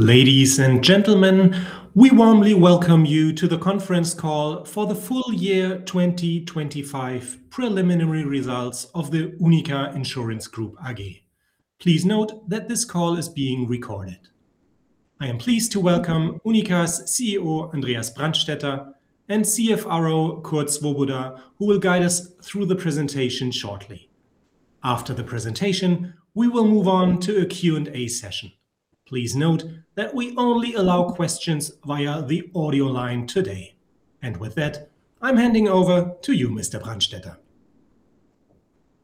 Ladies and gentlemen, we warmly welcome you to the conference call for the full year 2025 preliminary results of the UNIQA Insurance Group AG. Please note that this call is being recorded. I am pleased to welcome UNIQA's CEO, Andreas Brandstetter, and CFRO, Kurt Svoboda, who will guide us through the presentation shortly. After the presentation, we will move on to a Q&A session. Please note that we only allow questions via the audio line today. With that, I'm handing over to you, Mr. Brandstetter.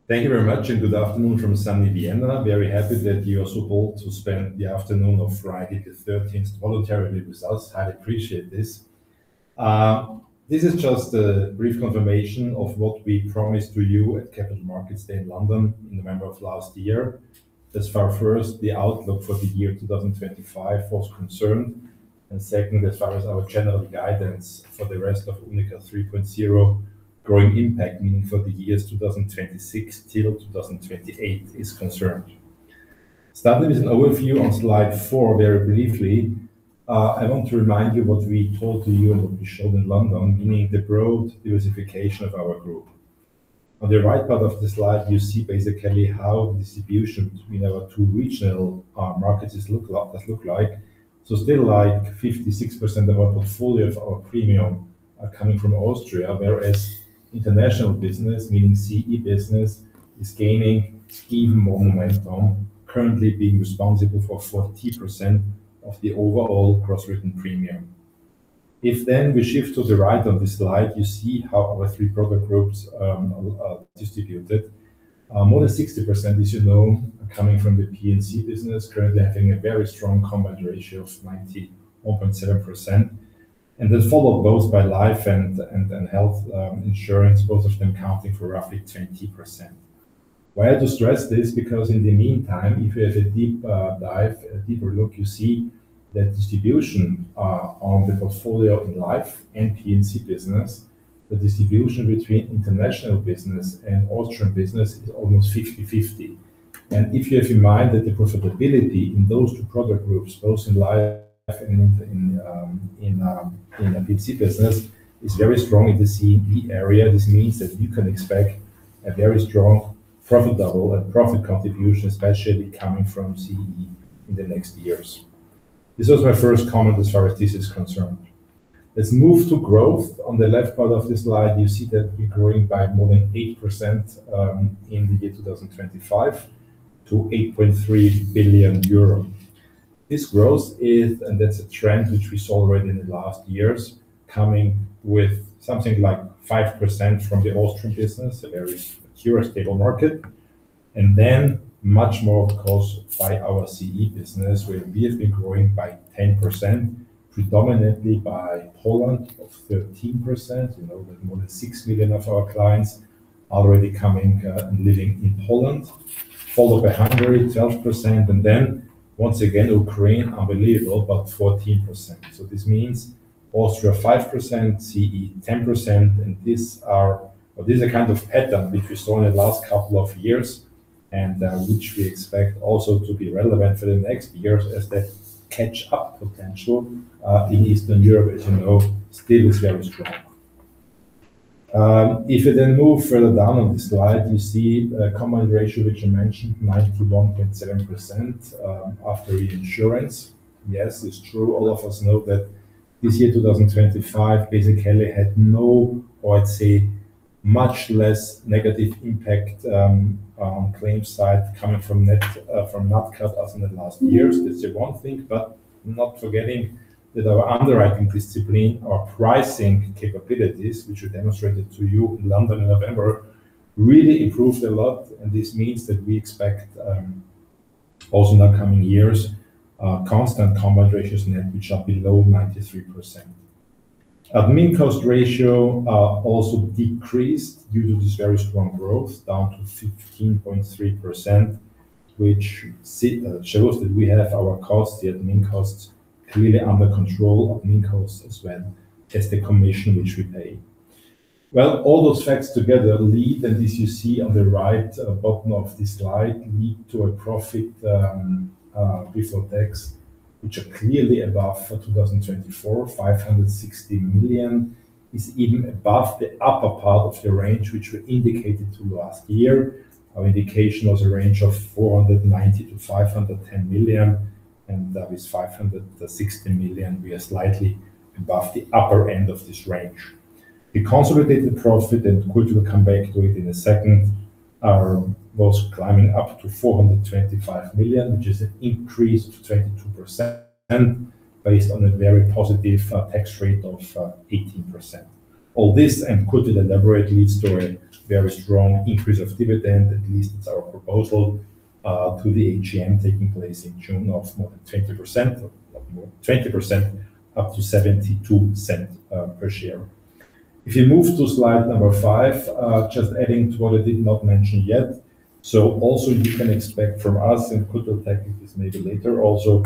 Thank you very much, and good afternoon from sunny Vienna. Very happy that you are so bold to spend the afternoon of Friday the 13th voluntarily with us. Highly appreciate this. This is just a brief confirmation of what we promised to you at Capital Markets Day in London in November of last year. As far as, first, the outlook for the year 2025 was concerned, and second, as far as our general guidance for the rest of UNIQA 3.0 Growing Impact, meaning for the years 2026 till 2028, is concerned. Starting with an overview on slide 4 very briefly, I want to remind you what we told you and what we showed in London, meaning the broad diversification of our group. On the right part of the slide, you see basically how the distribution between our two regional markets looks like. Still, like, 56% of our portfolio of our premium are coming from Austria, whereas international business, meaning CE business, is gaining momentum, currently being responsible for 40% of the overall gross written premium. If then we shift to the right of the slide, you see how our three product groups are distributed. More than 60%, as you know, are coming from the P&C business, currently having a very strong combined ratio of 91.7%. Then followed those by life and then health insurance, both of them accounting for roughly 20%. Why I had to stress this, because in the meantime, if you have a deep dive, a deeper look, you see that distribution on the portfolio in life and P&C business, the distribution between international business and Austrian business is almost 50/50. If you have in mind that the profitability in those two product groups, both in life and in P&C business, is very strong in the CE area. This means that you can expect a very strong profit level and profit contribution, especially coming from CE in the next years. This was my first comment as far as this is concerned. Let's move to growth. On the left part of this slide, you see that we're growing by more than 8% in the year 2025 to 8.3 billion euro. This growth is, and that's a trend which we saw already in the last years, coming with something like 5% from the Austrian business, a very secure, stable market. Then much more, of course, by our CE business, where we have been growing by 10%, predominantly by Poland of 13%. You know, with more than 6 million of our clients already coming and living in Poland. Followed by Hungary, 12%, and then once again, Ukraine, unbelievable, but 14%. This means Austria, 5%, CE, 10%, and these are or this is a kind of pattern which we saw in the last couple of years and which we expect also to be relevant for the next years as that catch-up potential in Eastern Europe, as you know, still is very strong. If you then move further down on the slide, you see a combined ratio, which I mentioned, 91.7%, after reinsurance. Yes, it's true. All of us know that this year, 2025, basically had no, or I'd say much less negative impact, on claims side coming from NatCat as in the last years. That's the one thing, but not forgetting that our underwriting discipline, our pricing capabilities, which we demonstrated to you in London in November, really improved a lot. This means that we expect, also in the coming years, constant combined ratios net, which are below 93%. Admin cost ratio, also decreased due to this very strong growth, down to 15.3%, which shows that we have our costs, the admin costs, really under control. Admin costs as well as the commission which we pay. Well, all those facts together lead, and this you see on the right bottom of this slide, lead to a profit before tax, which are clearly above for 2024, 560 million, is even above the upper part of the range, which we indicated to you last year. Our indication was a range of 490 million-510 million, and that is 560 million. We are slightly above the upper end of this range. The consolidated profit, and Kurt will come back to it in a second, was climbing up to 425 million, which is an increase to 22% and based on a very positive tax rate of 18%. All this, Kurt will elaborate, leads to a very strong increase of dividend. At least it's our proposal to the AGM taking place in June of more than 20%. 20% up to 0.72 per share. If you move to slide number five, just adding to what I did not mention yet. Also you can expect from us, and Kurt will take this maybe later also,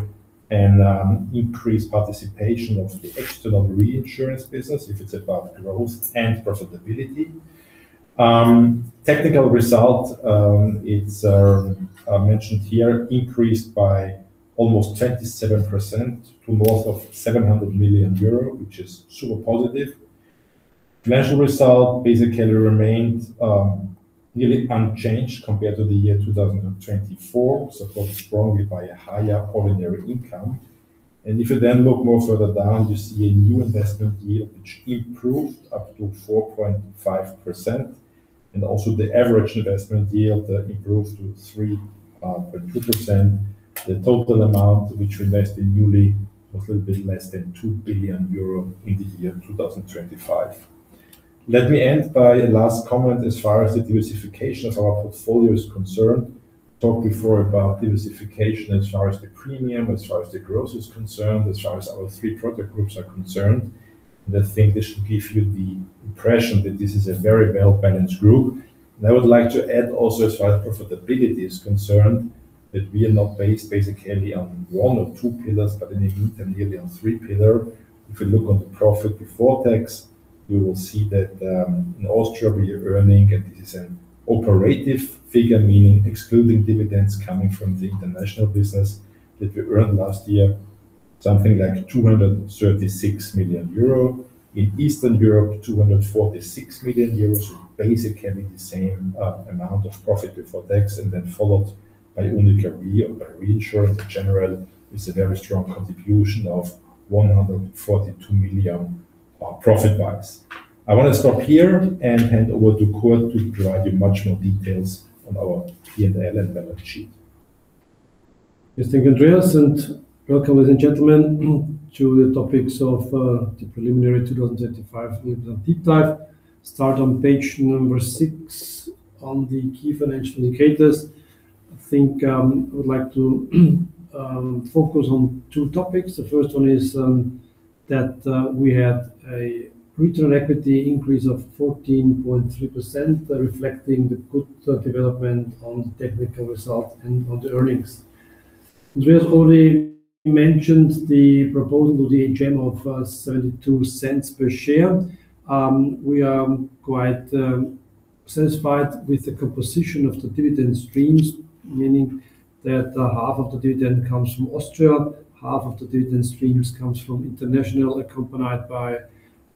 an increased participation of the external reinsurance business if it's about growth and profitability. Technical result, it's mentioned here, increased by almost 37% to more than 700 million euro, which is super positive. Financial result basically remained really unchanged compared to the year 2024, supported strongly by a higher ordinary income. If you then look more further down, you see a new investment yield which improved up to 4.5%, and also the average investment yield improved to 3.2%. The total amount which we invested newly was a little bit less than 2 billion euro in the year 2025. Let me end by a last comment as far as the diversification of our portfolio is concerned. Talked before about diversification as far as the premium, as far as the growth is concerned, as far as our three product groups are concerned. I think this should give you the impression that this is a very well-balanced group. I would like to add also, as far as profitability is concerned, that we are not based basically on one or two pillars, but in the end, nearly on three pillar. If you look on the profit before tax, you will see that, in Austria we are earning, and this is an operative figure, meaning excluding dividends coming from the international business that we earned last year, something like 236 million euro. In Eastern Europe, 246 million euros, basically the same amount of profit before tax, and then followed by UNIQA Re or by reinsurance in general. It's a very strong contribution of 142 million, profit-wise. I wanna stop here and hand over to Kurt to provide you much more details on our P&L and balance sheet. Thanks Andreas, and welcome, ladies and gentlemen, to the topics of the preliminary 2025 [P&L] deep dive. Start on page number six on the key financial indicators. I think I would like to focus on two topics. The first one is that we had a return equity increase of 14.3%, reflecting the good development on the technical result and on the earnings. Andreas already mentioned the proposal to the AGM of 0.72 per share. We are quite satisfied with the composition of the dividend streams, meaning that half of the dividend comes from Austria, half of the dividend streams comes from international, accompanied by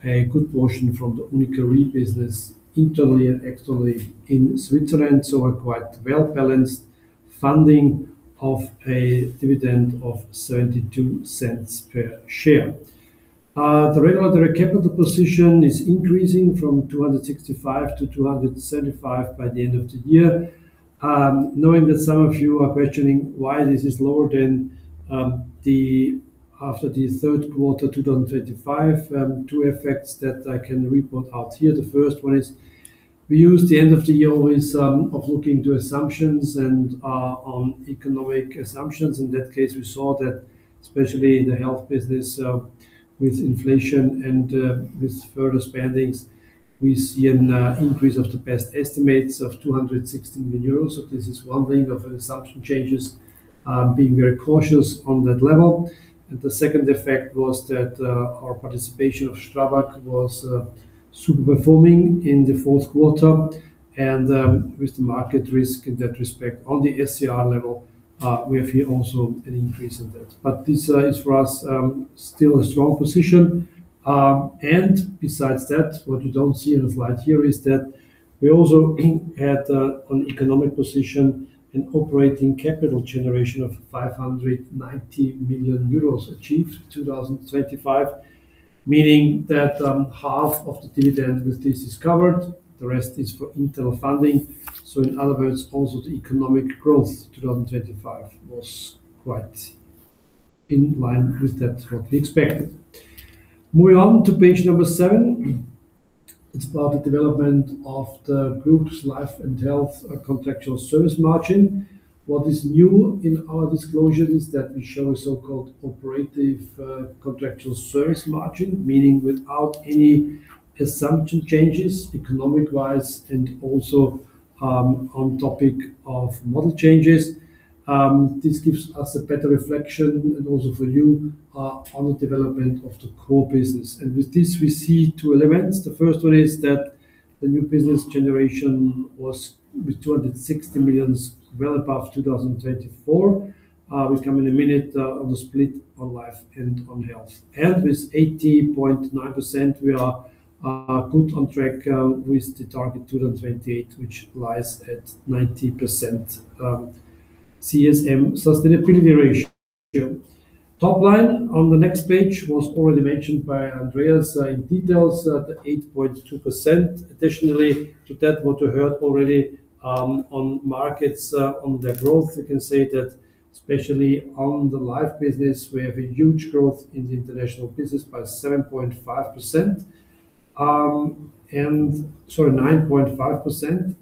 a good portion from the UNIQA Re business internally and externally in Switzerland. A quite well-balanced funding of a dividend of 0.72 per share. The regulatory capital position is increasing from 265 million to 275 million by the end of the year. Knowing that some of you are questioning why this is lower than after the third quarter 2025, two effects that I can report out here. The first one is we use the end of the year always of looking to assumptions and on economic assumptions. In that case, we saw that especially in the health business with inflation and with further spendings, we see an increase of the best estimates of 260 million euros. So this is one thing of assumption changes being very cautious on that level. The second effect was that our participation of STRABAG was super performing in the fourth quarter. With the market risk in that respect on the SCR level, we have here also an increase in that. This is for us still a strong position. Besides that, what you don't see in the slide here is that we also had an economic position in operating capital generation of 590 million euros achieved 2025, meaning that half of the dividend with this is covered. The rest is for internal funding. In other words, also the economic growth 2025 was quite in line with that what we expected. Moving on to page number seven. It's about the development of the group's life and health contractual service margin. What is new in our disclosure is that we show a so-called operative contractual service margin, meaning without any assumption changes economic-wise and also on topic of model changes. This gives us a better reflection and also for you on the development of the core business. With this, we see two elements. The first one is that the new business generation was with 260 million, well above 2024. We come in a minute on the split on life and on health. With 80.9%, we are good on track with the target 2028, which lies at 90% CSM sustainability ratio. Top line on the next page was already mentioned by Andreas in details the 8.2%. Additionally to that, what we heard already, on markets, on their growth, we can say that especially on the life business, we have a huge growth in the international business by 9.5%.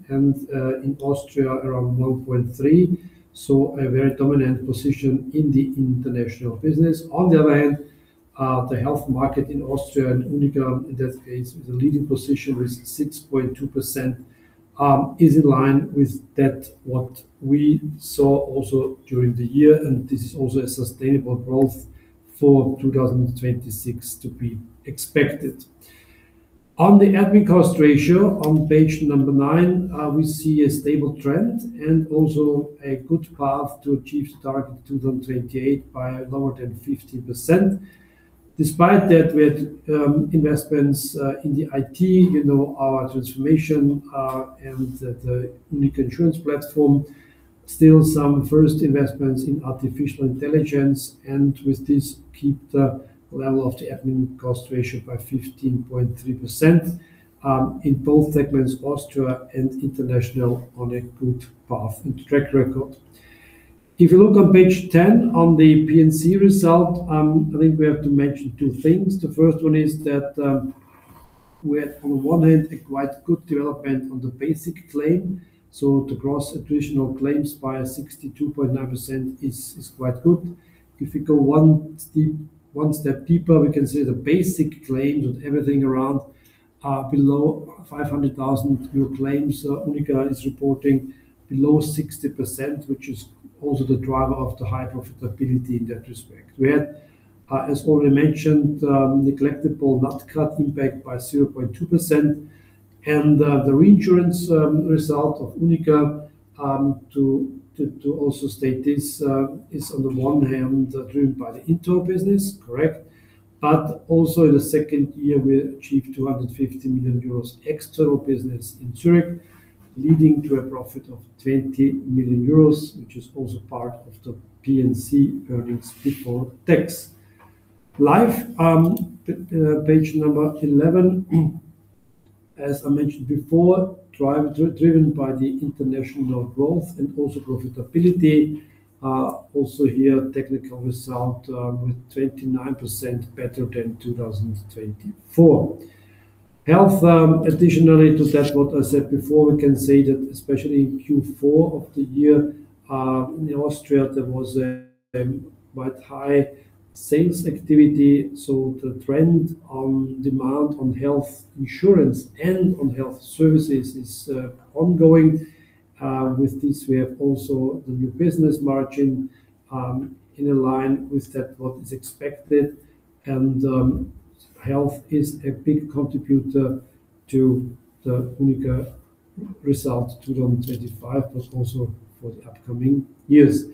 And in Austria, around 1.3%. A very dominant position in the international business. On the other hand, the health market in Austria and UNIQA, in that case, the leading position with 6.2%, is in line with that, what we saw also during the year. This is also a sustainable growth for 2026 to be expected. On the admin cost ratio on page number nine, we see a stable trend and also a good path to achieve the target 2028 by lower than 50%. Despite that, we had investments in the IT, you know, our transformation, and the UNIQA Insurance Platform. Still some first investments in artificial intelligence, and with this, keep the level of the admin cost ratio by 15.3%, in both segments, Austria and international, on a good path and track record. If you look on page 10 on the P&C result, I think we have to mention two things. The first one is that, we had, on the one hand, a quite good development on the basic claim. The gross traditional claims by 62.9% is quite good. If we go one step deeper, we can see the basic claim with everything around below 500,000 claims. UNIQA is reporting below 60%, which is also the driver of the high profitability in that respect. We had, as already mentioned, negligible NATCAT impact by 0.2%. The reinsurance result of UNIQA, to also state this, is on the one hand, driven by the internal business, correct. Also in the second year, we achieved 250 million euros external business in Zurich, leading to a profit of 20 million euros, which is also part of the P&C earnings before tax. Life, page number 11. As I mentioned before, driven by the international growth and also profitability. Also here, technical result with 29% better than 2024. Health, additionally to that, what I said before, we can say that, especially in Q4 of the year, in Austria, there was a quite high sales activity. The trend on demand on health insurance and on health services is ongoing. With this, we have also the new business margin in line with that what is expected. Health is a big contributor to the UNIQA result, 2025, but also for the upcoming years.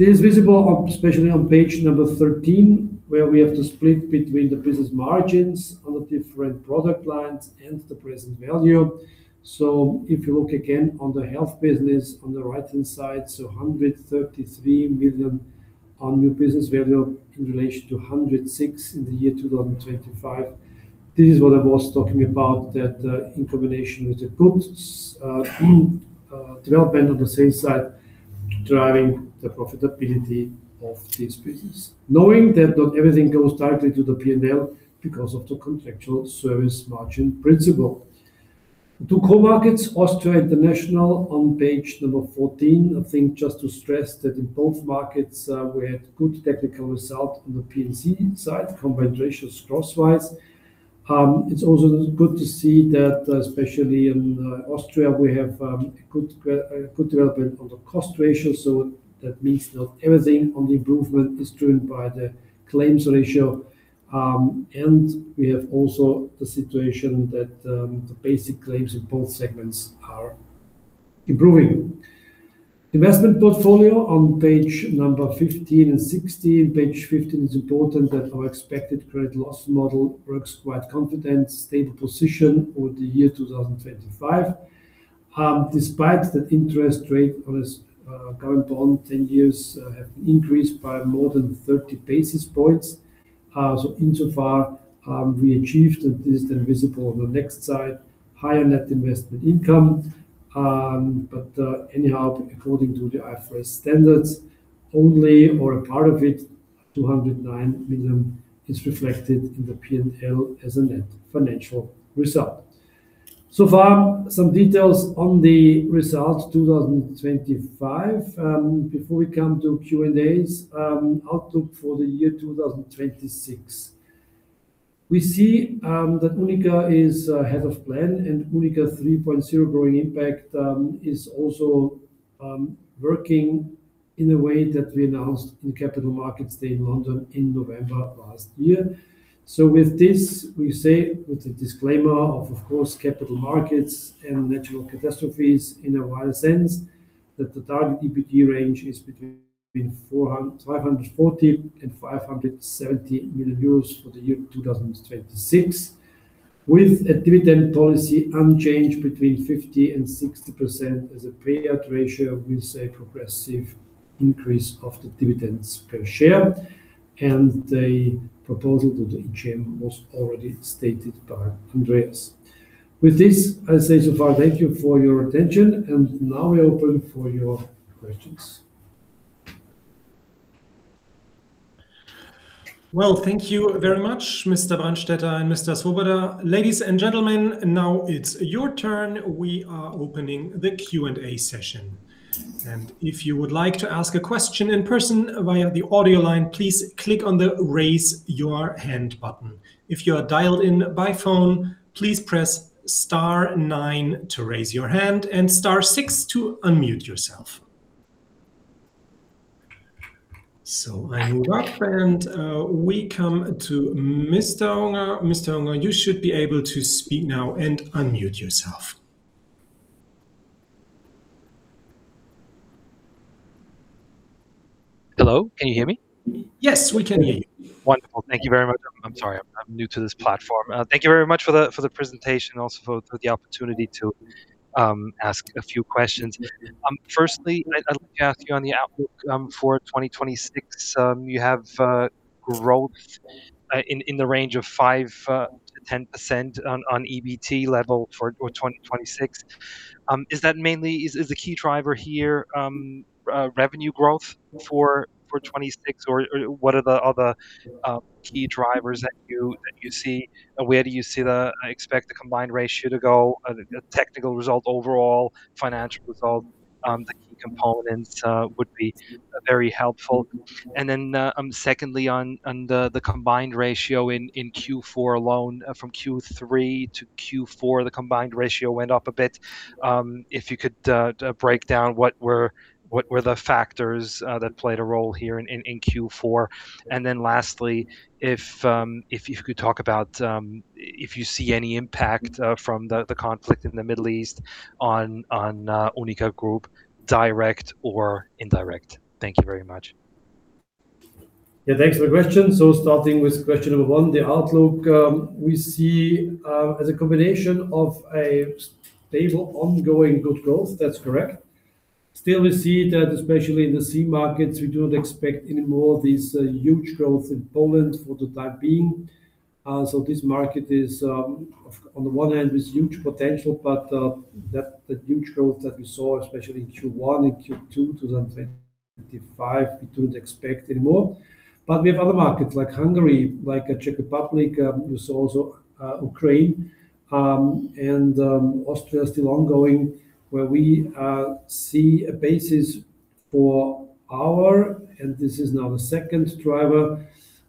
This is visible, especially on page number 13, where we have the split between the business margins on the different product lines and the present value. If you look again on the health business on the right-hand side, 133 million on new business value in relation to 106 million in the year 2025. This is what I was talking about that, in combination with the good development on the sales side, driving the profitability of this business. Knowing that not everything goes directly to the P&L because of the contractual service margin principle. To core markets, Austria, international on page 14. I think just to stress that in both markets, we had good technical result on the P&C side, combined ratios crosswise. It's also good to see that, especially in Austria, we have a good development on the cost ratio. That means not everything on the improvement is driven by the claims ratio. We have also the situation that the basic claims in both segments are improving. Investment portfolio on page number 15 and 16. Page 15 is important that our expected credit loss model works quite confident, stable position over the year 2025, despite that interest rate on this government bond 10 years have increased by more than 30 basis points. Insofar we achieved, and this then visible on the next slide, higher net investment income. Anyhow, according to the IFRS standards, only a part of it, 209 million, is reflected in the P&L as a net financial result. So far, some details on the results, 2025. Before we come to Q&As, outlook for the year 2026. We see that UNIQA is ahead of plan, and UNIQA 3.0 Growing Impact is also working in a way that we announced in Capital Markets Day in London in November last year. With this, we say, with the disclaimer of course, capital markets and natural catastrophes in a wide sense, that the target EBT range is between 540 million and 570 million euros for the year 2026. With a dividend policy unchanged between 50% and 60% as a payout ratio, we say progressive increase of the dividends per share. The proposal to the AGM was already stated by Andreas. With this, I say so far, thank you for your attention, and now we open for your questions. Well, thank you very much, Mr. Brandstetter and Mr. Svoboda. Ladies and gentlemen, now it's your turn. We are opening the Q&A session. If you would like to ask a question in person via the audio line, please click on the Raise Your Hand button. If you are dialed in by phone, please press star nine to raise your hand and star six to unmute yourself. I move up, and we come to Mr. Unger. Mr. Unger, you should be able to speak now and unmute yourself. Hello, can you hear me? Yes, we can hear you. Wonderful. Thank you very much. I'm sorry, I'm new to this platform. Thank you very much for the presentation, also for the opportunity to ask a few questions. Firstly, I'd like to ask you on the outlook for 2026. You have growth in the range of 5%-10% on EBT level for 2026. Is that mainly. Is the key driver here revenue growth for 2026? Or what are the other key drivers that you see? And where do you expect the combined ratio to go, the technical result, overall financial result, the key components would be very helpful. And then secondly, on the combined ratio in Q4 alone. From Q3 to Q4, the combined ratio went up a bit. If you could break down what were the factors that played a role here in Q4. Lastly, if you could talk about if you see any impact from the conflict in the Middle East on UNIQA Group, direct or indirect. Thank you very much. Yeah. Thanks for the question. Starting with question number one, the outlook, we see as a combination of a stable, ongoing good growth. That's correct. Still, we see that especially in the CEE markets, we don't expect any more of these huge growth in Poland for the time being. This market is on the one hand with huge potential, but that, the huge growth that we saw, especially in Q1 and Q2 2025, we don't expect anymore. We have other markets like Hungary, like Czech Republic, we saw also Ukraine, and Austria is still ongoing, where we see a basis for our, and this is now the second driver.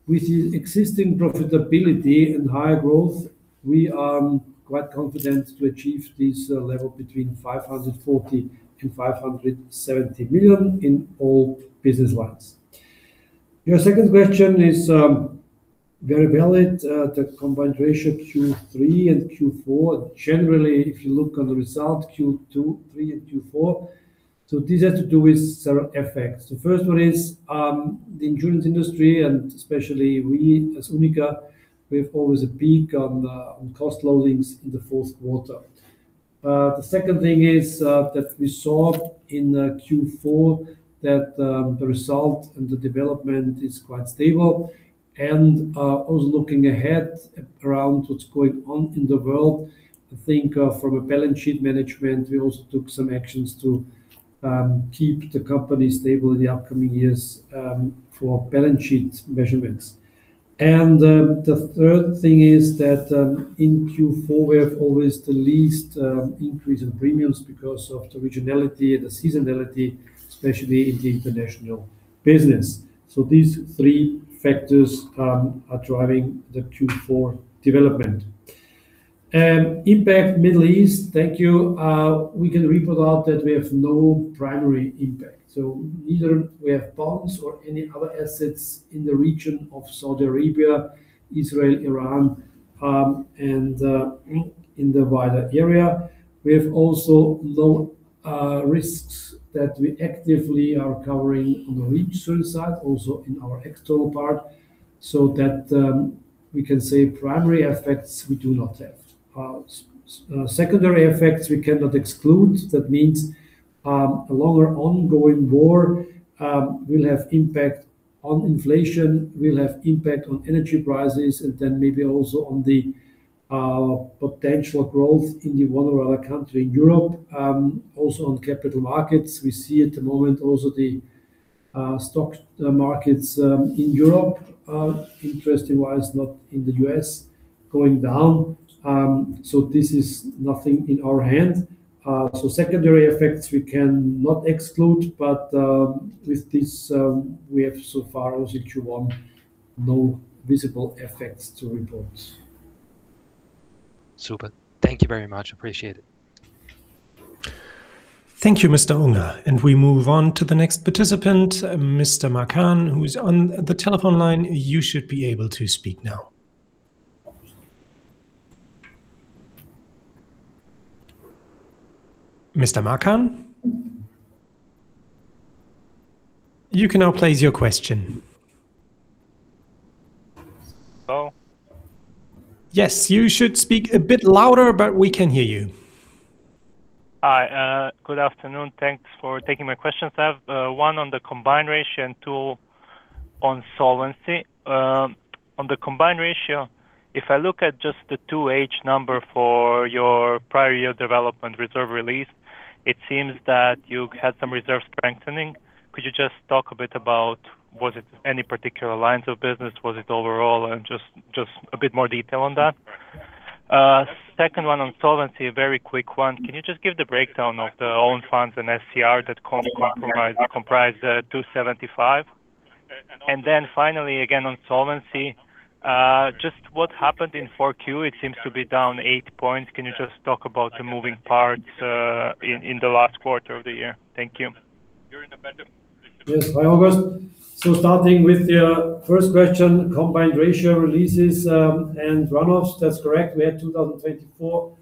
With the existing profitability and high growth, we are quite confident to achieve this level between 540 million to 570 million in all business lines. Your second question is very valid. The combined ratio Q3 and Q4. Generally, if you look at the results Q2, Q3 and Q4, this has to do with several effects. The first one is the insurance industry, and especially we as UNIQA, we have always a peak in cost loadings in the fourth quarter. The second thing is that we saw in Q4 that the result and the development is quite stable. Also looking ahead around what's going on in the world, I think, from a balance sheet management, we also took some actions to keep the company stable in the upcoming years for balance sheet measurements. The third thing is that in Q4, we have always the least increase in premiums because of the regionality and the seasonality, especially in the international business. These three factors are driving the Q4 development. Impact Middle East. Thank you. We can report out that we have no primary impact. Neither we have bonds or any other assets in the region of Saudi Arabia, Israel, Iran, and in the wider area. We have also low risks that we actively are covering on the reinsurance side, also in our external part, so that we can say primary effects we do not have. Secondary effects we cannot exclude. That means, a longer ongoing war will have impact on inflation, will have impact on energy prices, and then maybe also on the potential growth in the one or other country in Europe. Also on capital markets. We see at the moment also the stock markets in Europe, interesting wise, not in the US going down. So this is nothing in our hand. So secondary effects we can not exclude, but with this we have so far as in Q1, no visible effects to report. Super. Thank you very much. Appreciate it. Thank you, Mr. Unger. We move on to the next participant, Mr. Marcan, who is on the telephone line. You should be able to speak now. Mr. Marcan? You can now place your question. Hello? Yes. You should speak a bit louder, but we can hear you. Hi. Good afternoon. Thanks for taking my questions. I have one on the combined ratio and two on solvency. On the combined ratio, if I look at just the 2H number for your prior year development reserve release, it seems that you had some reserve strengthening. Could you just talk a bit about was it any particular lines of business? Was it overall? And just a bit more detail on that. Second one on solvency, a very quick one. Can you just give the breakdown of the own funds and SCR that comprise 275? And then finally, again on solvency, just what happened in 4Q? It seems to be down 8 points. Can you just talk about the moving parts in the last quarter of the year? Thank you. Yes. Hi, August. Starting with your first question, combined ratio releases and runoffs. That's correct. We had 2024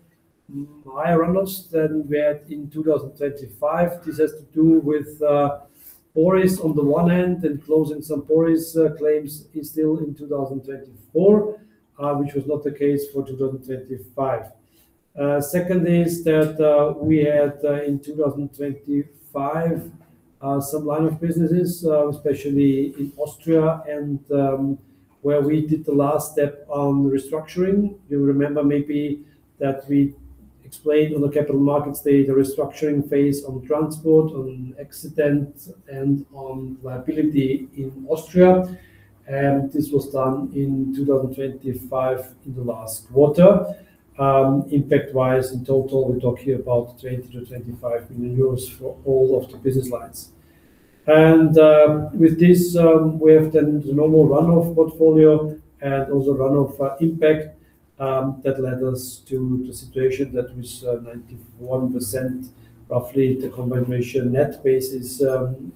higher runoffs than we had in 2025. This has to do with Boris on the one hand and closing some Boris claims still in 2024, which was not the case for 2025. Second is that we had in 2025 some line of businesses, especially in Austria and where we did the last step on restructuring. You remember maybe that we explained on the Capital Markets Day the restructuring phase on transport, on accident and on liability in Austria. This was done in 2025 in the last quarter. Impact-wise, in total, we're talking about 20 million-25 million euros for all of the business lines. With this, we have then the normal runoff portfolio and also runoff impact that led us to the situation that with roughly 91% the combination net base is in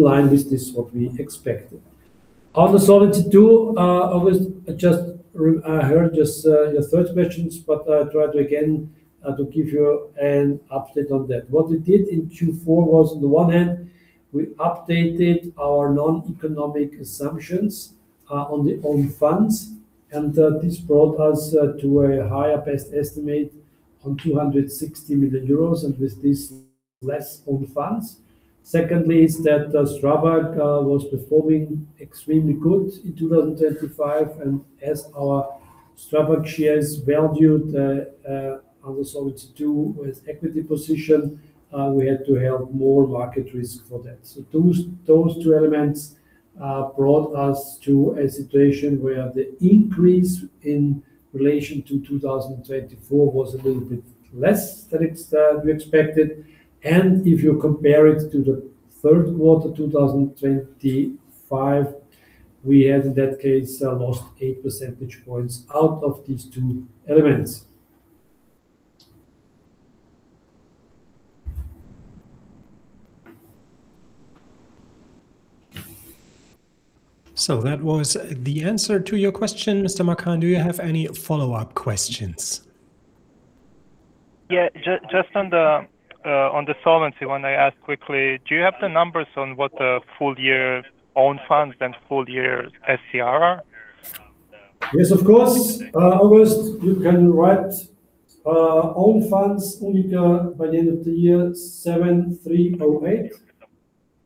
line with what we expected. On the Solvency II, I heard just your third question, but I try again to give you an update on that. What we did in Q4 was, on the one hand, we updated our non-economic assumptions on the own funds, and this brought us to a higher best estimate of 260 million euros, and with this, less own funds. Second, STRABAG was performing extremely good in 2025, and as our STRABAG shares valued on the Solvency II with equity position, we had to have more market risk for that. Those two elements brought us to a situation where the increase in relation to 2024 was a little bit less than we expected. If you compare it to the third quarter 2025, we have in that case lost 8 percentage points out of these two elements. that was the answer to your question, Mr. Marcan. Do you have any follow-up questions? Yeah. Just on the solvency one, I ask quickly, do you have the numbers on what the full year own funds, then full year SCR are? Yes, of course. August, you can write own funds only by the end of the year 7,308 million,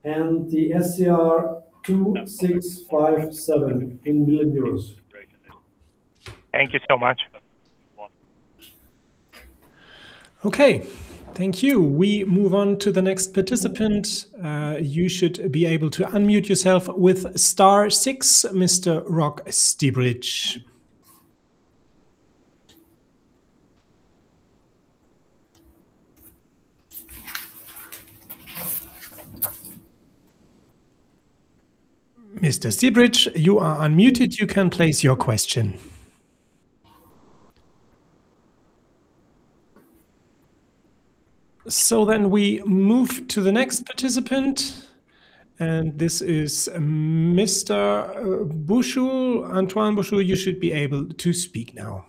and the SCR 2,657 million euros. Thank you so much. Okay. Thank you. We move on to the next participant. You should be able to unmute yourself with star six. Mr. Rok Štibric. Mr. Štibric, you are unmuted. You can place your question. We move to the next participant, and this is Mr. Bouchetoux. Antoine Bouchetoux, you should be able to speak now.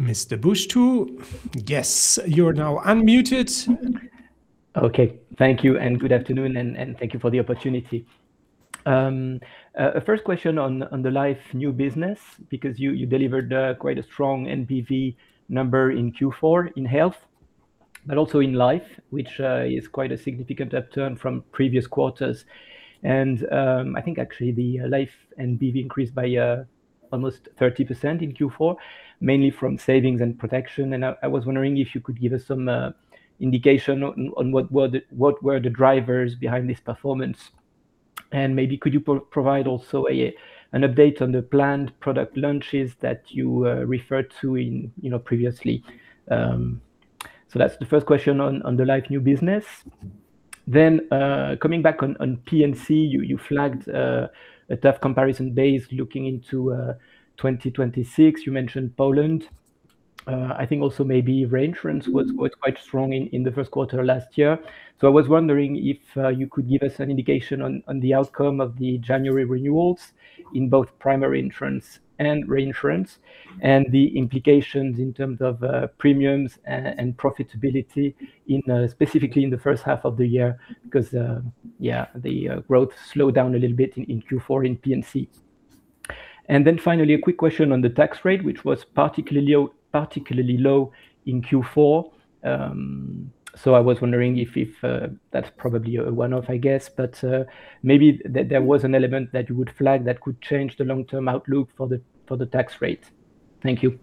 Mr. Bouchetoux? Yes, you're now unmuted. Okay. Thank you, and good afternoon, and thank you for the opportunity. First question on the life new business, because you delivered quite a strong NPV number in Q4 in health, but also in life, which is quite a significant upturn from previous quarters. I think actually the life NPV increased by almost 30% in Q4, mainly from savings and protection. I was wondering if you could give us some indication on what were the drivers behind this performance? Maybe could you provide also an update on the planned product launches that you referred to in, you know, previously? That's the first question on the life new business. Coming back on P&C, you flagged a tough comparison base looking into 2026. You mentioned Poland. I think also maybe reinsurance was quite strong in the first quarter last year. I was wondering if you could give us an indication on the outcome of the January renewals in both primary insurance and reinsurance, and the implications in terms of premiums and profitability specifically in the first half of the year, because yeah, the growth slowed down a little bit in Q4 in P&C. Finally, a quick question on the tax rate, which was particularly low in Q4. I was wondering if that's probably a one-off, I guess, but maybe there was an element that you would flag that could change the long-term outlook for the tax rate. Thank you.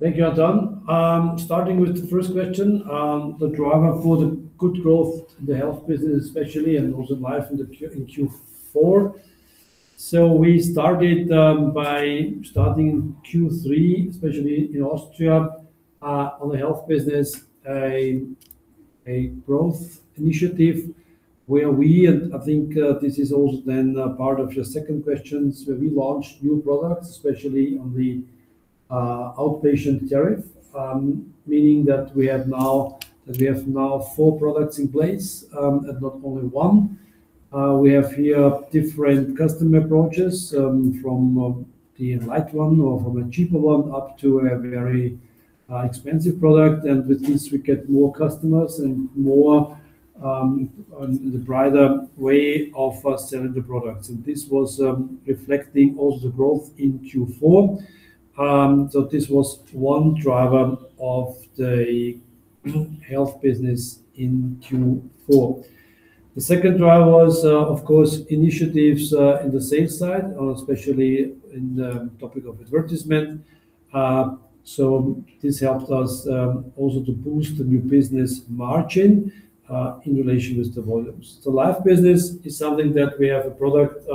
Thank you, Antoine. Starting with the first question, the driver for the good growth, the health business especially, and also life in Q4. We started in Q3, especially in Austria, on the health business, a growth initiative where we, and I think, this is also then part of your second question, where we launched new products, especially on the outpatient tariff, meaning that we have now four products in place, and not only one. We have here different customer approaches, from the light one or from a cheaper one up to a very expensive product. With this, we get more customers and more on the brighter way of selling the products. This was reflecting also the growth in Q4. This was one driver of the health business in Q4. The second driver was, of course, initiatives in the sales side, especially in the topic of advertisement. This helped us also to boost the new business margin in relation with the volumes. The life business is something that we have a product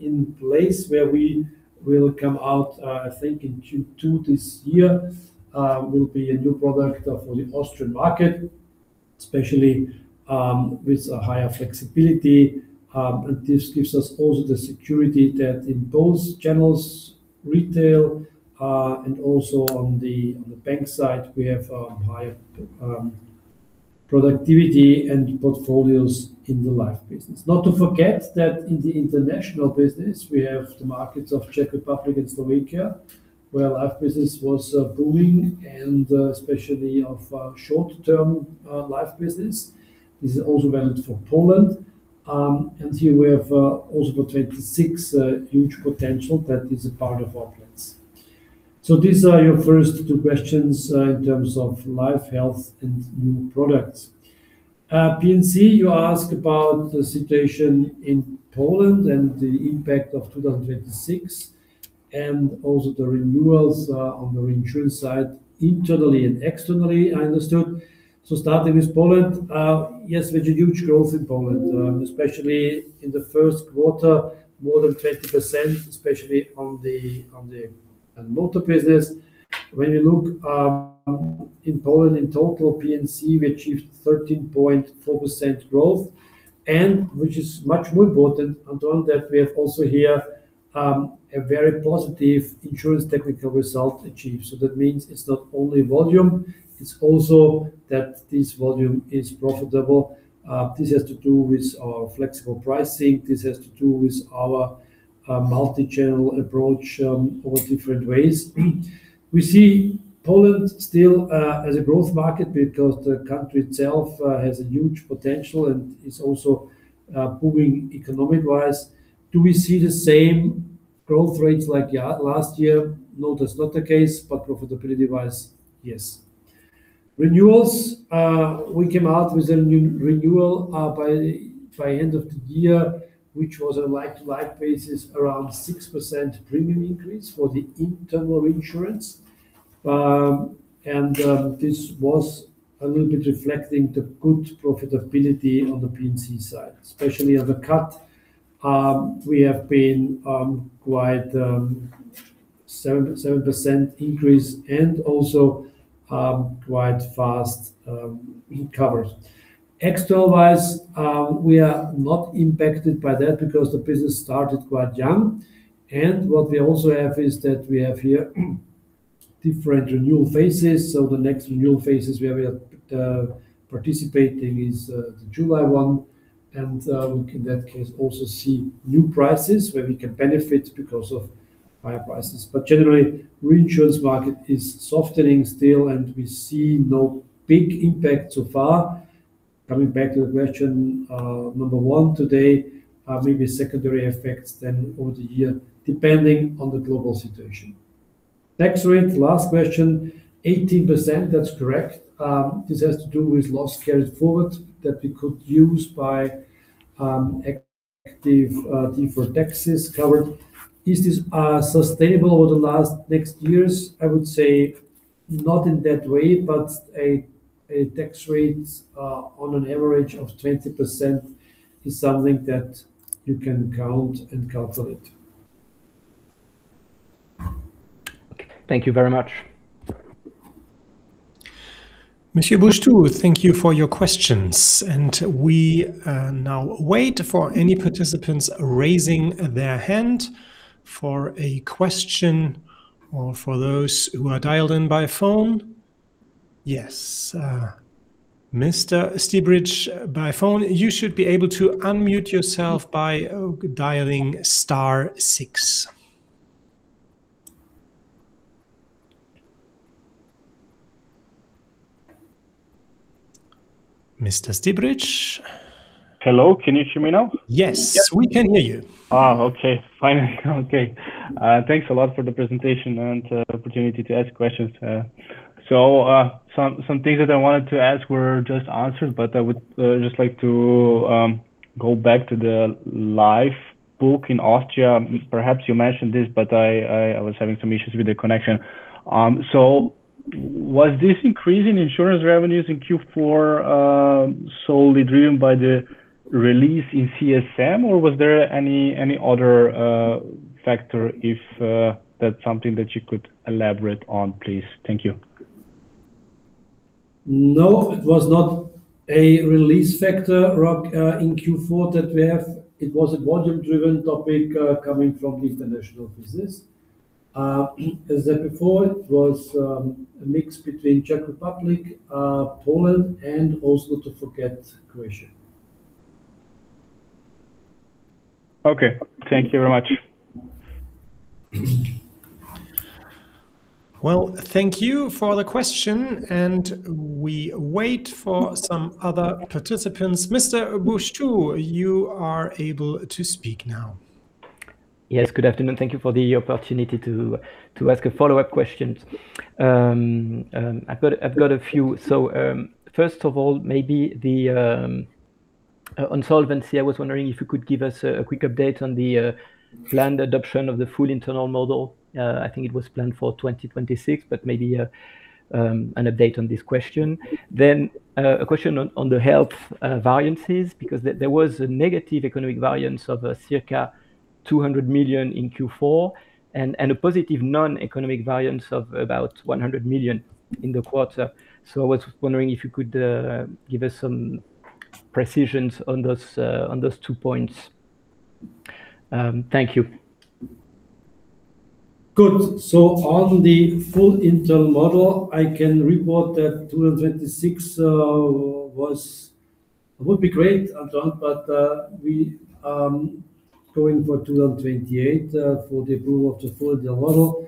in place where we will come out, I think in Q2 this year. Will be a new product for the Austrian market, especially, with a higher flexibility. This gives us also the security that in both channels, retail, and also on the bank side, we have a higher productivity and portfolios in the life business. Not to forget that in the international business, we have the markets of Czech Republic and Slovakia, where life business was booming, and especially of short-term life business. This is also valid for Poland. Here we have also for 2026 huge potential that is a part of our plans. These are your first two questions in terms of life, health, and new products. P&C, you ask about the situation in Poland and the impact of 2026, and also the renewals on the reinsurance side, internally and externally, I understood. Starting with Poland, yes, we had a huge growth in Poland, especially in the first quarter, more than 20%, especially on the motor business. When you look in Poland in total, P&C, we achieved 13.4% growth. Which is much more important, Antoine, that we have also here a very positive insurance technical result achieved. That means it's not only volume, it's also that this volume is profitable. This has to do with our flexible pricing. This has to do with our multi-channel approach over different ways. We see Poland still as a growth market because the country itself has a huge potential and is also booming economic-wise. Do we see the same growth rates like last year? No, that's not the case, but profitability-wise, yes. Renewals, we came out with a new renewal by end of the year, which was a like-for-like basis, around 6% premium increase for the internal insurance. This was a little bit reflecting the good profitability on the P&C side, especially on the Cat. We have been quite 7% increase and also quite fast covers. External-wise, we are not impacted by that because the business started quite young. What we also have is that we have here different renewal phases. The next renewal phases we have, participating is the July one. We can in that case also see new prices where we can benefit because of higher prices. Generally, reinsurance market is softening still, and we see no big impact so far. Coming back to the question, number one today, maybe secondary effects then over the year, depending on the global situation. Tax rate, last question. 18%, that's correct. This has to do with loss carried forward that we could use by activating deferred tax assets. Is this sustainable over the long next years? I would say not in that way, but tax rates on an average of 20% is something that you can count on it. Okay. Thank you very much. Mr. Bouchetoux, thank you for your questions. We now wait for any participants raising their hand for a question or for those who are dialed in by phone. Yes, Mr. Štibric, by phone, you should be able to unmute yourself by dialing star six. Mr. Štibric? Hello, can you hear me now? Yes. We can hear you. Okay. Finally. Okay. Thanks a lot for the presentation and opportunity to ask questions. Some things that I wanted to ask were just answered, but I would just like to go back to the life book in Austria. Perhaps you mentioned this, but I was having some issues with the connection. Was this increase in insurance revenues in Q4 solely driven by the release in CSM, or was there any other factor, if that's something that you could elaborate on, please? Thank you. No, it was not a release factor, Rok, in Q4 that we have. It was a volume-driven topic, coming from the international business. As I said before, it was a mix between Czech Republic, Poland, and also don't forget Croatia. Okay. Thank you very much. Well, thank you for the question, and we wait for some other participants. Mr. Bouchetoux, you are able to speak now. Yes. Good afternoon. Thank you for the opportunity to ask a follow-up questions. I've got a few. First of all, maybe on solvency, I was wondering if you could give us a quick update on the planned adoption of the full internal model. I think it was planned for 2026, but maybe an update on this question. A question on the health variances, because there was a negative economic variance of circa 200 million in Q4 and a positive non-economic variance of about 100 million in the quarter. I was wondering if you could give us some precisions on those two points. Thank you. Good. On the full internal model, I can report that 2026 would be great, Antione, but we going for 2028 for the approval of the full internal model.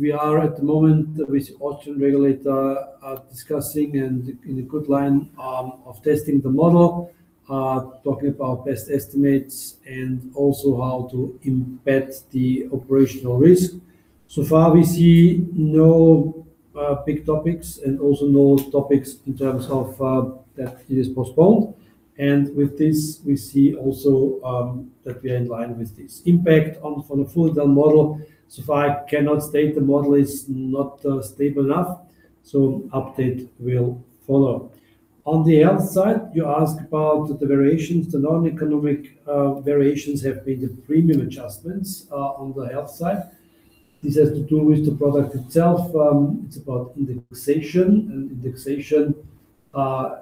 We are at the moment with Austrian regulator are discussing and in a good line of testing the model. Talking about best estimates and also how to embed the operational risk. So far, we see no big topics and also no topics in terms of that it is postponed. With this, we see also that we are in line with this impact on from the full internal model. So far, I cannot state the model is not stable enough, so update will follow. On the health side, you ask about the variations. The non-economic variations have been the premium adjustments on the health side. This has to do with the product itself. It's about indexation, and indexation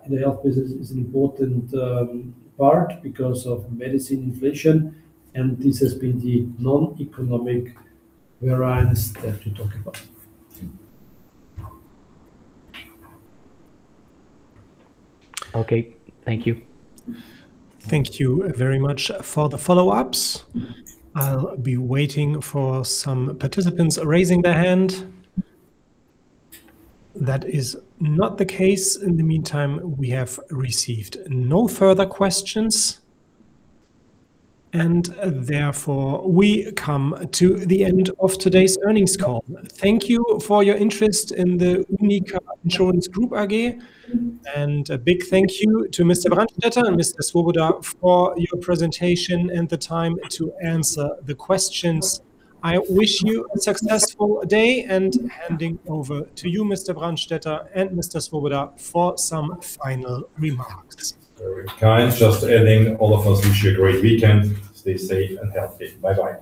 in the health business is an important part because of medicine inflation, and this has been the non-economic variance that we talk about. Okay. Thank you. Thank you very much for the follow-ups. I'll be waiting for some participants raising their hand. That is not the case. In the meantime, we have received no further questions, and therefore, we come to the end of today's earnings call. Thank you for your interest in the UNIQA Insurance Group AG. A big thank you to Mr. Brandstetter and Mr. Svoboda for your presentation and the time to answer the questions. I wish you a successful day, and handing over to you, Mr. Brandstetter and Mr. Svoboda, for some final remarks. Very kind. Just adding, all of us wish you a great weekend. Stay safe and healthy. Bye-bye.